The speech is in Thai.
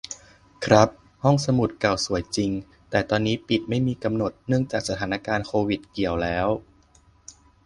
ครับ ห้องสมุดเก่าสวยจริง แต่ตอนนี้ปิดไม่มีกำหนด เนื่องจากสถานการณ์โควิด เกี่ยวแล้ว